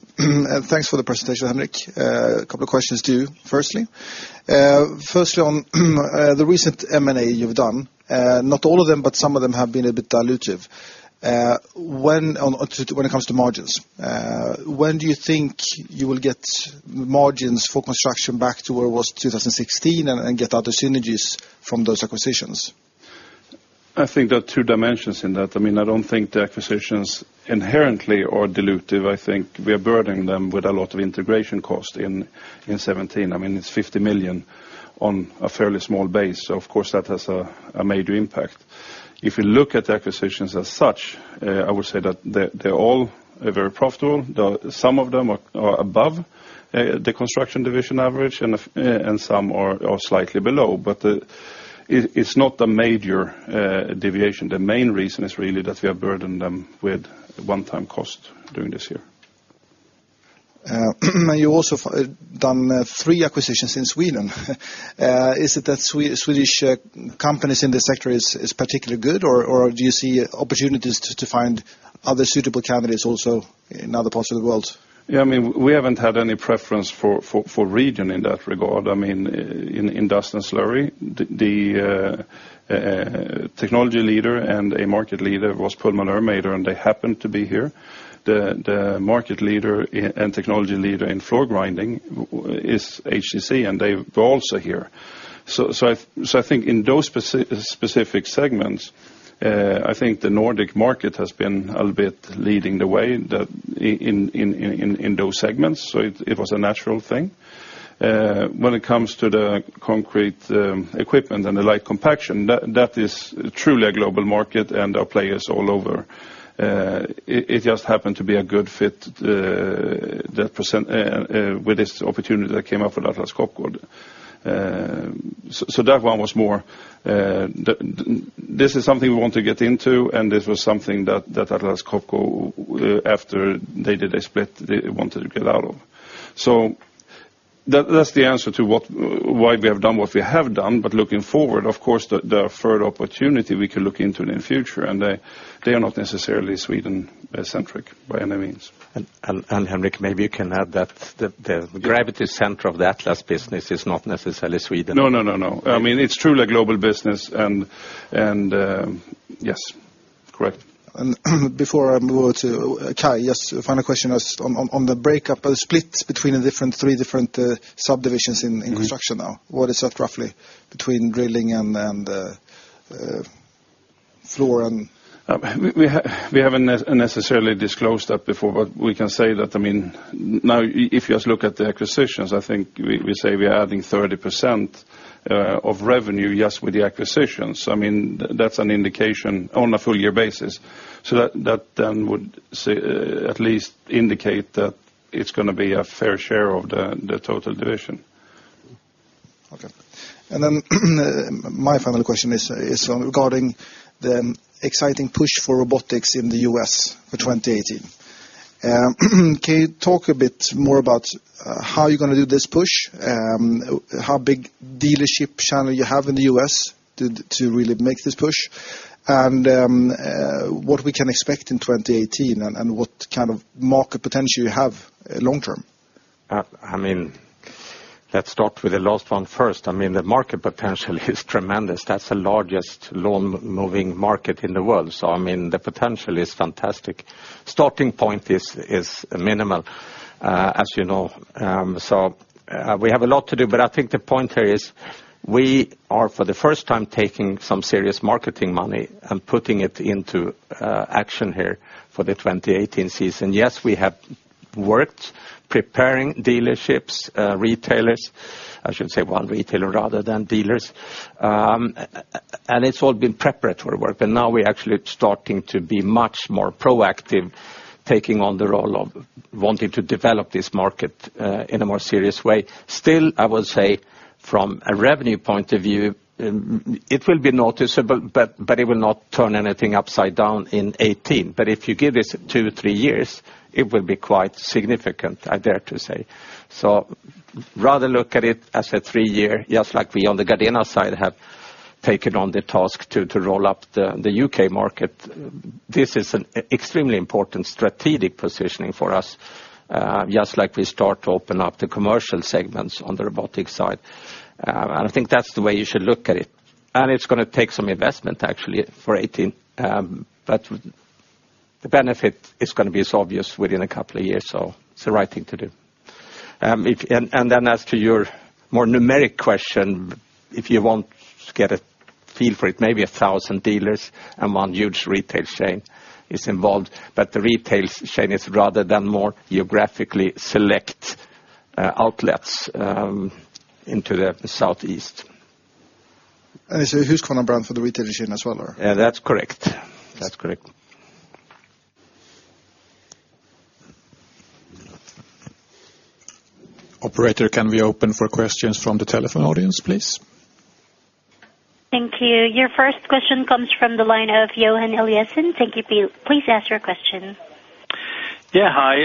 thanks for the presentation, Henric. Couple of questions to you firstly. Firstly on the recent M&A you've done, not all of them, but some of them have been a bit dilutive when it comes to margins. When do you think you will get margins for Construction back to where it was 2016 and get other synergies from those acquisitions? I think there are two dimensions in that. I don't think the acquisitions inherently are dilutive. I think we are burdening them with a lot of integration cost in 2017. It's 50 million on a fairly small base, so of course, that has a major impact. If you look at the acquisitions as such, I would say that they're all very profitable, some of them are above the Construction Division average and some are slightly below. It's not a major deviation. The main reason is really that we have burdened them with one-time cost during this year. You've also done three acquisitions in Sweden. Is it that Swedish companies in this sector is particularly good, or do you see opportunities to find other suitable candidates also in other parts of the world? Yeah, we haven't had any preference for region in that regard. In dust and slurry, the technology leader and a market leader was Pullman Ermator, and they happened to be here. The market leader and technology leader in floor grinding is HTC, and they're also here. I think in those specific segments, I think the Nordic market has been a little bit leading the way in those segments. It was a natural thing. When it comes to the concrete equipment and the light compaction, that is truly a global market, and there are players all over. It just happened to be a good fit with this opportunity that came up with Atlas Copco. That one was more, this is something we want to get into, and this was something that Atlas Copco, after they did a split, they wanted to get out of. That's the answer to why we have done what we have done. Looking forward, of course, there are further opportunity we can look into in the future, and they are not necessarily Sweden-centric by any means. Henric, maybe you can add that the gravity center of the Atlas business is not necessarily Sweden. No. It's truly a global business. Yes. Correct. Before I move over to Kai, just a final question on the breakup. A split between the three different subdivisions in construction now. What is that roughly between drilling and the floor and We haven't necessarily disclosed that before, but we can say that now if you just look at the acquisitions, I think we say we are adding 30% of revenue, yes, with the acquisitions. That's an indication on a full year basis. That then would at least indicate that it's going to be a fair share of the total division. Okay. My final question is regarding the exciting push for robotics in the U.S. for 2018. Can you talk a bit more about how you're going to do this push? How big dealership channel you have in the U.S. to really make this push? What we can expect in 2018, and what kind of market potential you have long term? Let's start with the last one first. The market potential is tremendous. That's the largest lawnmowing market in the world, the potential is fantastic. Starting point is minimal, as you know. We have a lot to do, but I think the point here is we are, for the first time, taking some serious marketing money and putting it into action here for the 2018 season. Yes, we have worked preparing dealerships, retailers, I should say one retailer rather than dealers. It's all been preparatory work, and now we're actually starting to be much more proactive, taking on the role of wanting to develop this market, in a more serious way. Still, I will say from a revenue point of view, it will be noticeable, but it will not turn anything upside down in 2018. If you give this two, three years, it will be quite significant, I dare to say. Rather look at it as a three-year, just like we on the Gardena side have taken on the task to roll up the U.K. market. This is an extremely important strategic positioning for us, just like we start to open up the commercial segments on the robotics side. I think that's the way you should look at it. It's going to take some investment actually for 2018. The benefit is going to be as obvious within a couple of years, it's the right thing to do. Then as to your more numeric question, if you want to get a feel for it, maybe 1,000 dealers among huge retail chain is involved, but the retail chain is rather than more geographically select outlets into the Southeast. It's a Husqvarna brand for the retail engine as well? Yeah, that's correct. Operator, can we open for questions from the telephone audience, please? Thank you. Your first question comes from the line of Johan Eliason. Thank you. Please ask your question. Yeah. Hi.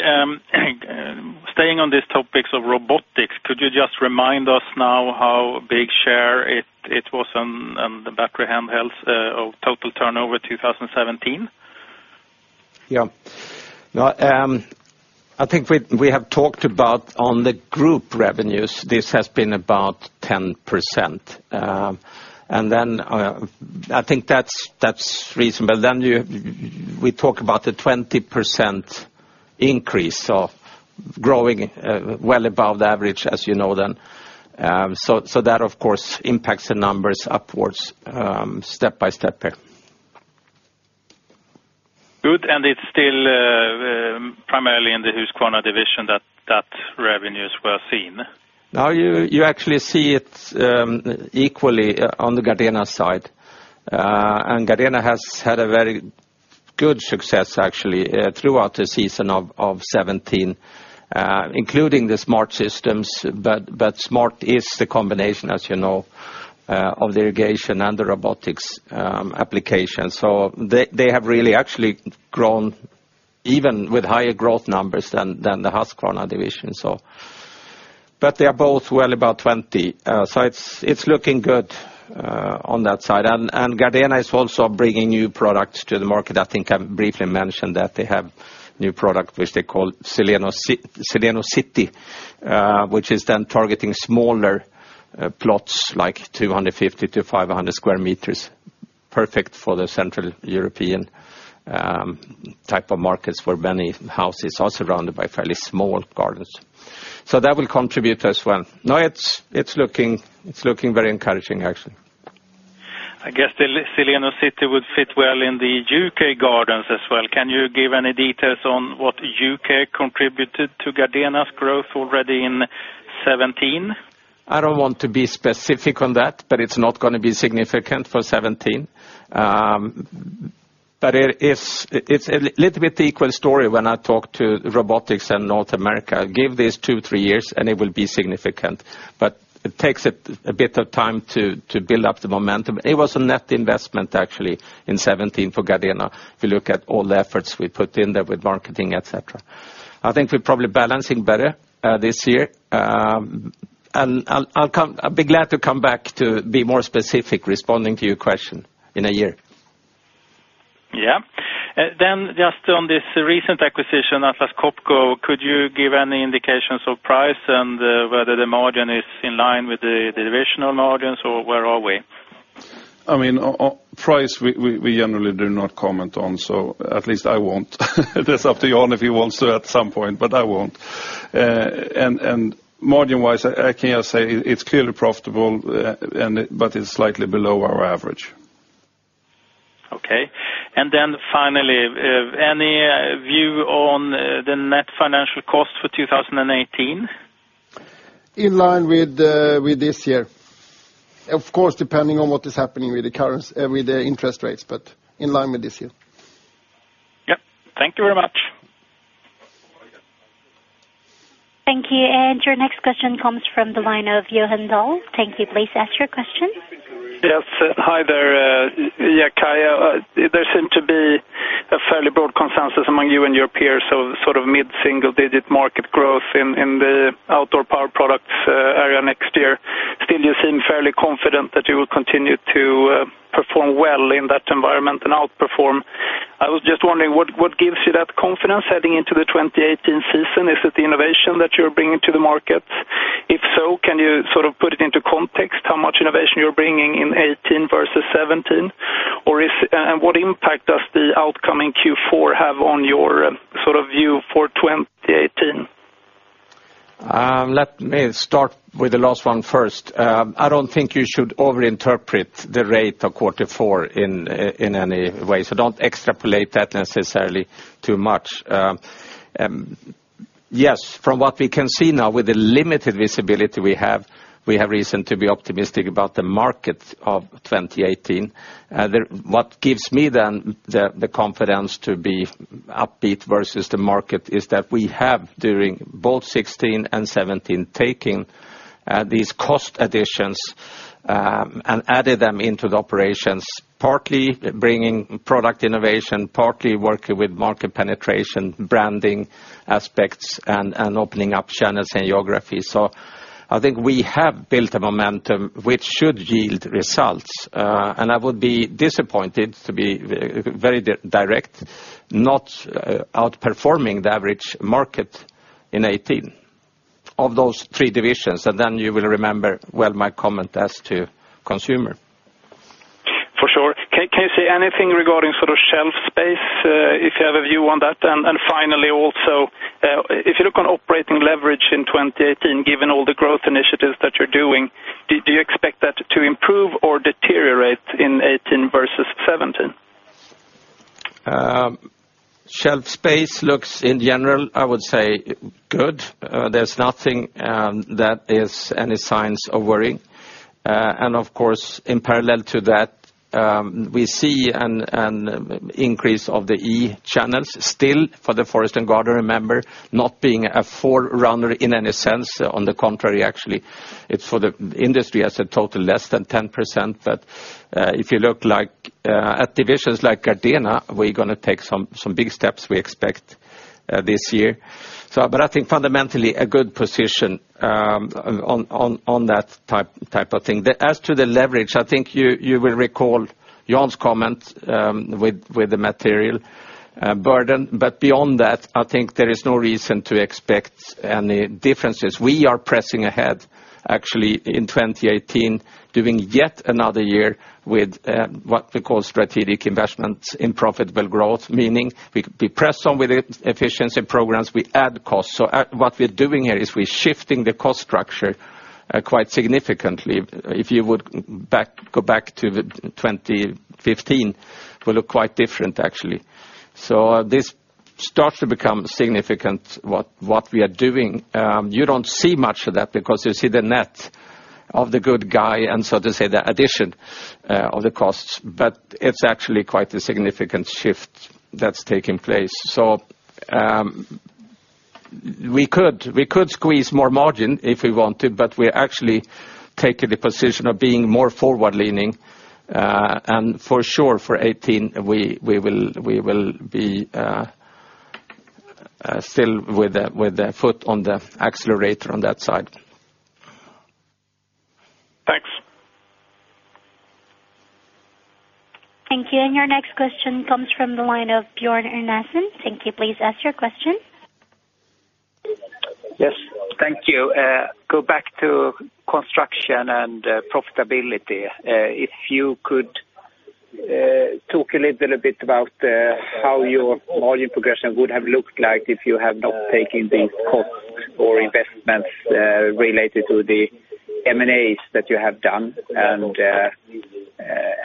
Staying on these topics of robotics, could you just remind us now how big share it was on the back of handheld products of total turnover 2017? Yeah. I think we have talked about on the group revenues, this has been about 10%. I think that's reasonable. We talk about the 20% increase, so growing well above the average, as you know then. That, of course, impacts the numbers upwards step by step here. It's still primarily in the Husqvarna Division that revenues were seen? Now you actually see it equally on the Gardena side. Gardena has had a very good success actually throughout the season of 2017 including the smart systems. Smart is the combination, as you know, of the irrigation and the robotics application. They have really actually grown even with higher growth numbers than the Husqvarna Division. They are both well above 20. It's looking good on that side. Gardena is also bringing new products to the market. I think I've briefly mentioned that they have new product, which they call SILENO city, which is then targeting smaller plots like 250-500 sq m, perfect for the central European type of markets where many houses are surrounded by fairly small gardens. That will contribute as well. Now it's looking very encouraging, actually. I guess the SILENO city would fit well in the U.K. gardens as well. Can you give any details on what U.K. contributed to Gardena's growth already in 2017? I don't want to be specific on that, it's not going to be significant for 2017. It's a little bit equal story when I talk to robotics in North America. Give this two, three years, and it will be significant. It takes a bit of time to build up the momentum. It was a net investment actually in 2017 for Gardena. If you look at all the efforts we put in there with marketing, et cetera. I think we're probably balancing better this year. I'll be glad to come back to be more specific responding to your question in a year. Yeah. Just on this recent acquisition, Atlas Copco, could you give any indications of price and whether the margin is in line with the divisional margins, or where are we? Price, we generally do not comment on, so at least I won't. It is up to Johan if he wants to at some point, but I won't. Margin-wise, I can just say it's clearly profitable, but it's slightly below our average. Okay. Finally, any view on the net financial cost for 2018? In line with this year. Of course, depending on what is happening with the interest rates, in line with this year. Yep. Thank you very much. Thank you. Your next question comes from the line of Johan Dahl. Thank you. Please ask your question. Yes. Hi there. Kai, there seem to be a fairly broad consensus among you and your peers of sort of mid-single digit market growth in the outdoor power products area next year. You seem fairly confident that you will continue to perform well in that environment and outperform. I was just wondering, what gives you that confidence heading into the 2018 season? Is it the innovation that you're bringing to the market? If so, can you sort of put it into context how much innovation you're bringing in 2018 versus 2017? What impact does the outcoming Q4 have on your sort of view for 2018? Let me start with the last one first. I don't think you should overinterpret the rate of quarter four in any way. So don't extrapolate that necessarily too much. Yes, from what we can see now with the limited visibility we have, we have reason to be optimistic about the market of 2018. What gives me then the confidence to be upbeat versus the market is that we have during both 2016 and 2017 taken these cost additions, and added them into the operations, partly bringing product innovation, partly working with market penetration, branding aspects, and opening up channels and geography. I think we have built a momentum which should yield results. And I would be disappointed to be very direct, not outperforming the average market in 2018 of those three divisions, and then you will remember well my comment as to Consumer. Can you say anything regarding shelf space, if you have a view on that? And finally, also, if you look on operating leverage in 2018, given all the growth initiatives that you're doing, do you expect that to improve or deteriorate in 2018 versus 2017? Shelf space looks, in general, I would say, good. There's nothing that is any signs of worry. And of course, in parallel to that, we see an increase of the e-channels still for the Forest and Garden Division, not being a forerunner in any sense. On the contrary, actually, it's for the industry as a total less than 10%. But if you look at divisions like Gardena, we're going to take some big steps we expect this year. But I think fundamentally a good position on that type of thing. As to the leverage, I think you will recall Jan's comment with the material burden. But beyond that, I think there is no reason to expect any differences. We are pressing ahead actually in 2018, doing yet another year with what we call strategic investments in profitable growth, meaning we press on with efficiency programs, we add costs. What we're doing here is we're shifting the cost structure quite significantly. If you would go back to 2015, it will look quite different actually. This starts to become significant what we are doing. You don't see much of that because you see the net of the good guy and so to say, the addition of the costs, but it's actually quite a significant shift that's taking place. We could squeeze more margin if we wanted, but we're actually taking the position of being more forward-leaning. And for sure for 2018, we will be still with the foot on the accelerator on that side. Thanks. Thank you. Your next question comes from the line of Björn Enarson. Thank you. Please ask your question. Yes. Thank you. Go back to Construction and profitability. If you could talk a little bit about how your volume progression would have looked like if you had not taken these costs or investments related to the M&As that you have done,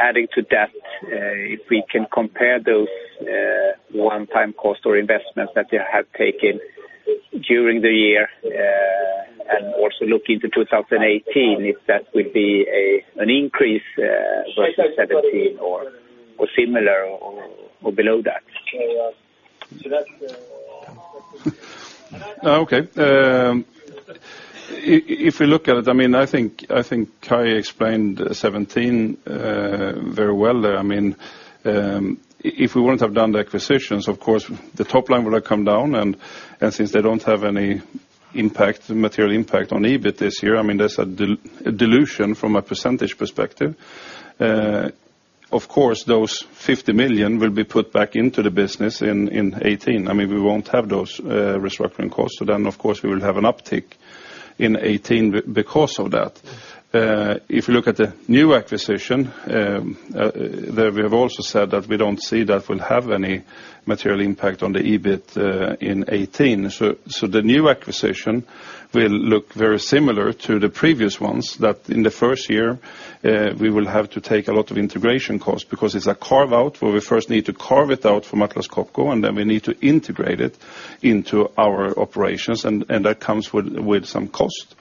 adding to that, if we can compare those one-time costs or investments that you have taken during the year, and also look into 2018, if that would be an increase versus 2017 or similar or below that? Okay. If we look at it, I think Kai explained 2017 very well there. If we wouldn't have done the acquisitions, of course, the top line would have come down, since they don't have any material impact on EBIT this year, there's a dilution from a percentage perspective. Of course, those 50 million will be put back into the business in 2018. We won't have those restructuring costs. Of course, we will have an uptick in 2018 because of that. If you look at the new acquisition, there we have also said that we don't see that will have any material impact on the EBIT in 2018. The new acquisition will look very similar to the previous ones, that in the first year, we will have to take a lot of integration costs because it's a carve-out where we first need to carve it out from Atlas Copco, then we need to integrate it into our operations, that comes with some cost.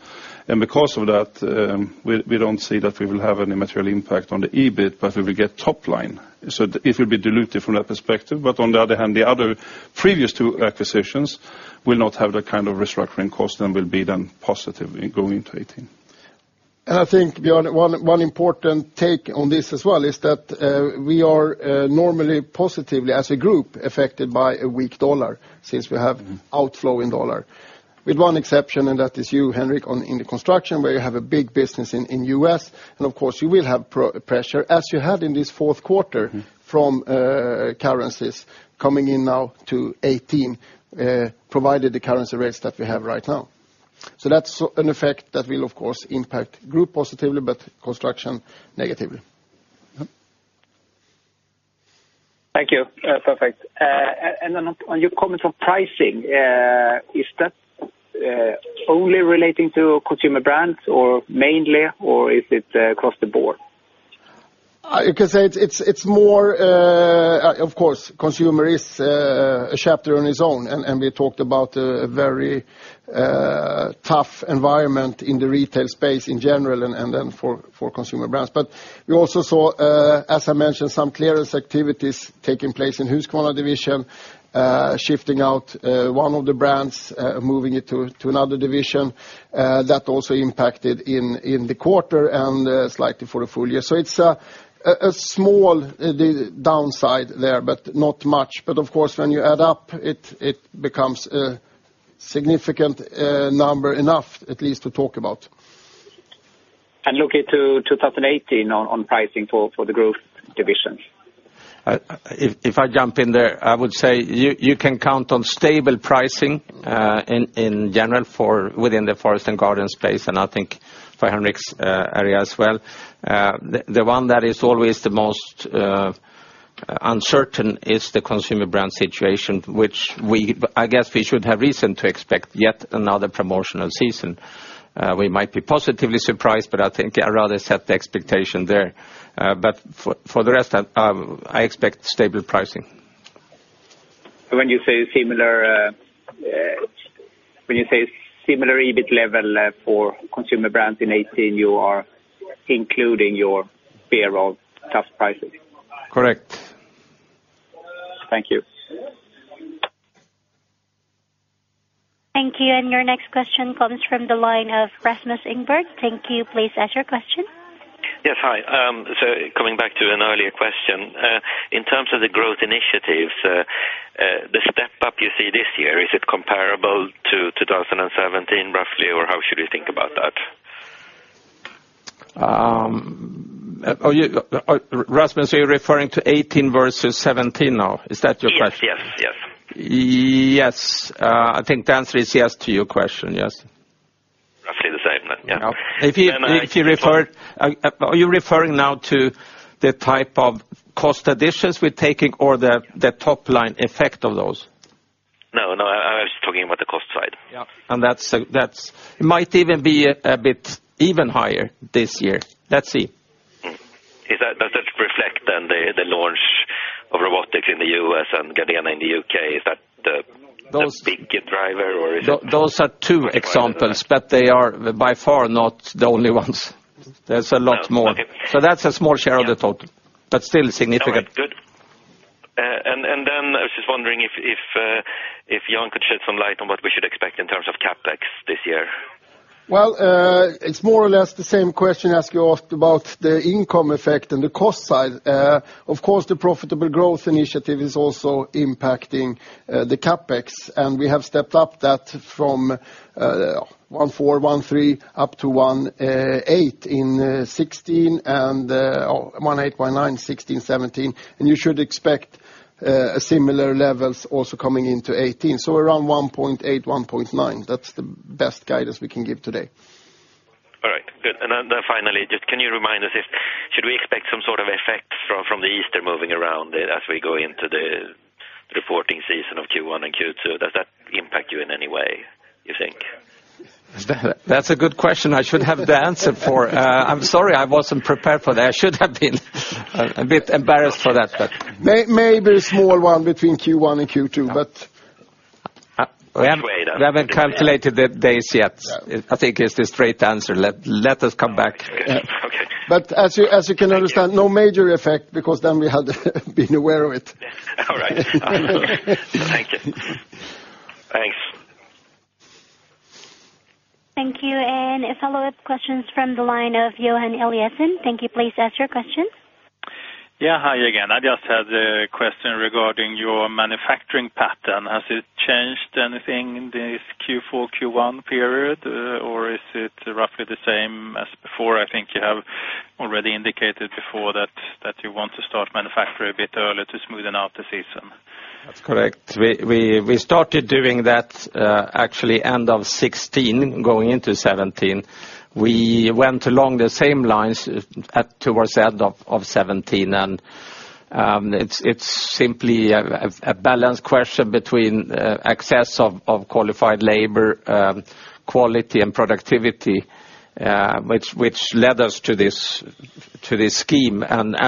Because of that, we don't see that we will have any material impact on the EBIT, we will get top line. It will be dilutive from that perspective. On the other hand, the other previous two acquisitions will not have that kind of restructuring cost will be then positive going into 2018. I think, Björn Enarson, one important take on this as well is that we are normally positively as a Group affected by a weak USD since we have outflow in USD. One exception, and that is you, Henric, in the Construction, where you have a big business in U.S., and of course you will have pressure as you had in this fourth quarter from currencies coming in now to 2018 provided the currency rates that we have right now. That's an effect that will, of course, impact Group positively, but Construction negatively. Thank you. Perfect. On your comments on pricing, is that only relating to Consumer Brands, or mainly, or is it across the board? You can say, of course, Consumer Brands is a chapter on its own, and we talked about a very tough environment in the retail space in general and then for Consumer Brands. We also saw, as I mentioned, some clearance activities taking place in Husqvarna Division, shifting out one of the brands, moving it to another Division. That also impacted in the quarter and slightly for the full year. It's a small downside there, but not much. Of course, when you add up, it becomes a significant number, enough at least to talk about. Looking to 2018 on pricing for the growth divisions If I jump in there, I would say you can count on stable pricing in general within the forest and garden space, and I think for Henric's area as well. The one that is always the most uncertain is the Consumer Brands situation, which I guess we should have reason to expect yet another promotional season. We might be positively surprised, but I think I'd rather set the expectation there. For the rest, I expect stable pricing. When you say similar EBIT level for Consumer Brands in 2018, you are including your fear of tough prices? Correct. Thank you. Thank you. Your next question comes from the line of Rasmus Engberg. Thank you. Please ask your question. Yes. Hi. Coming back to an earlier question. In terms of the growth initiatives, the step up you see this year, is it comparable to 2017, roughly, or how should we think about that? Rasmus, are you referring to 2018 versus 2017 now? Is that your question? Yes. Yes. I think the answer is yes to your question, yes. Roughly the same then, yeah? Are you referring now to the type of cost additions we're taking or the top line effect of those? I was talking about the cost side. Yeah. It might even be a bit even higher this year. Let's see. Does that reflect then the launch of robotics in the U.S. and Gardena in the U.K.? Is that the big driver? Those are two examples, but they are by far not the only ones. There's a lot more. Okay. That's a small share of the total, but still significant. All right, good. I was just wondering if Jan could shed some light on what we should expect in terms of CapEx this year. Well, it's more or less the same question as you asked about the income effect and the cost side. Of course, the profitable growth initiative is also impacting the CapEx, we have stepped up that from 1.4, 1.3, up to 1.8 in 2016, 1.8, 1.9 in 2016, 2017. You should expect similar levels also coming into 2018. Around 1.8, 1.9. That's the best guidance we can give today. All right, good. Finally, just can you remind us if, should we expect some sort of effect from the Easter moving around as we go into the reporting season of Q1 and Q2? Does that impact you in any way, you think? That's a good question I should have the answer for. I'm sorry I wasn't prepared for that. I should have been. A bit embarrassed for that. Maybe a small one between Q1 and Q2. We haven't calculated the days yet. I think it's the straight answer. Let us come back. Okay. As you can understand, no major effect because then we had been aware of it. All right. Thank you. Thanks. Thank you. A follow-up question from the line of Johan Eliason. Thank you. Please ask your question. Yeah. Hi again. I just had a question regarding your manufacturing pattern. Has it changed anything in this Q4, Q1 period? Is it roughly the same as before? I think you have already indicated before that you want to start manufacturing a bit earlier to smoothen out the season. That's correct. We started doing that actually end of 2016, going into 2017. We went along the same lines towards the end of 2017. It's simply a balance question between excess of qualified labor, quality, and productivity which led us to this scheme.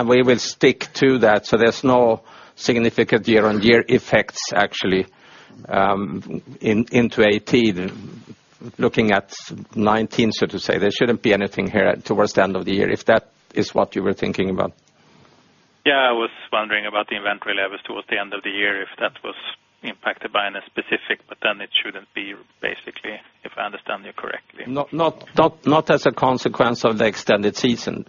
We will stick to that. There's no significant year-on-year effects actually into 2018. Looking at 2019, so to say, there shouldn't be anything here towards the end of the year, if that is what you were thinking about. I was wondering about the inventory levels towards the end of the year, if that was impacted by any specific. It shouldn't be, basically, if I understand you correctly. Not as a consequence of the extended season.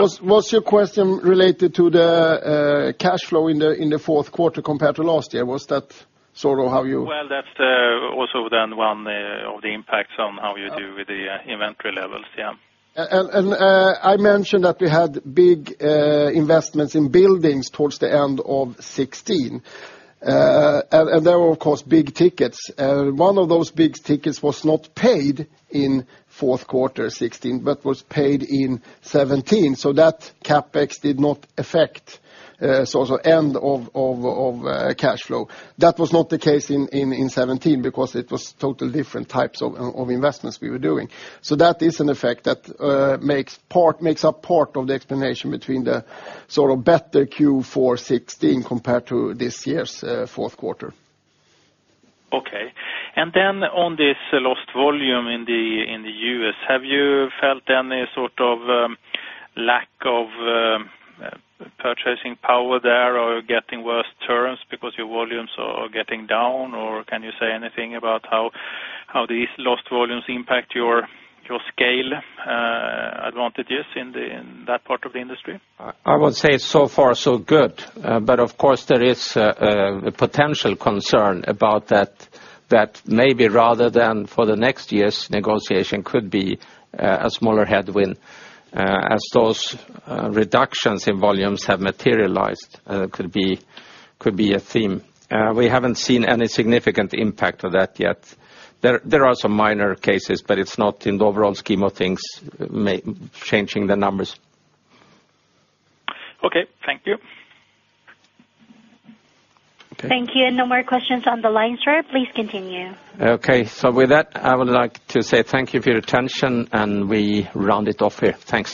Was your question related to the cash flow in the fourth quarter compared to last year? That's also one of the impacts on how you do with the inventory levels. I mentioned that we had big investments in buildings towards the end of 2016. There were, of course, big tickets. One of those big tickets was not paid in fourth quarter 2016, but was paid in 2017. That CapEx did not affect end of cash flow. That was not the case in 2017 because it was totally different types of investments we were doing. That is an effect that makes up part of the explanation between the better Q4 2016 compared to this year's fourth quarter. On this lost volume in the U.S., have you felt any sort of lack of purchasing power there, or you're getting worse terms because your volumes are getting down? Can you say anything about how these lost volumes impact your scale advantages in that part of the industry? I would say so far so good. Of course there is a potential concern about that maybe rather than for the next year's negotiation could be a smaller headwind as those reductions in volumes have materialized, could be a theme. We haven't seen any significant impact of that yet. There are some minor cases, but it's not in the overall scheme of things changing the numbers. Okay. Thank you. Thank you. No more questions on the line, sir. Please continue. Okay. With that, I would like to say thank you for your attention, and we round it off here. Thanks.